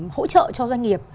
hỗ trợ cho doanh nghiệp